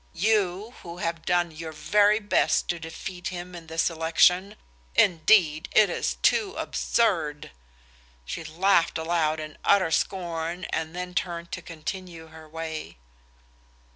You, who have done your very best to defeat him in this election? Indeed, it is too absurd!" She laughed aloud in utter scorn, and then turned to continue her way.